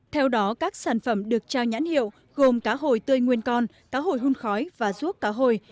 theo đó các sản phẩm được trao nhãn hiệu gồm cá hồi tươi nguyên con cá hồi hun khói và ruốc cá hồi